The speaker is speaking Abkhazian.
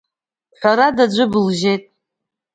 Ҳәарада, аӡәы былжьеит.